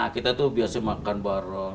kita tuh biasa makan bareng